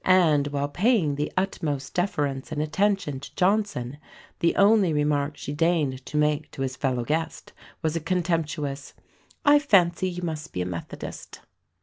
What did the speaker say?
And while paying the utmost deference and attention to Johnson, the only remark she deigned to make to his fellow guest was a contemptuous "I fancy you must be a Methodist."